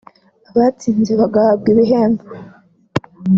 abatsinze bagahabwa ibihembo